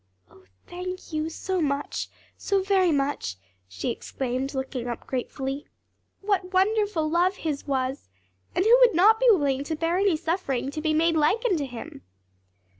'" "O, thank you, so much, so very much!" she exclaimed, looking up gratefully. "What wonderful love His was, and who would not be willing to bear any suffering to be made like unto Him?"